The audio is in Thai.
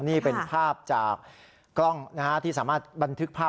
นี่เป็นภาพจากกล้องที่สามารถบันทึกภาพ